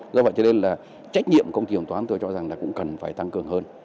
do vậy cho nên là trách nhiệm của công ty kiểm toán tôi cho rằng là cũng cần phải tăng cường hơn